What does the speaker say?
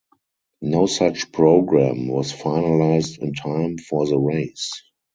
No such program was finalized in time for the race.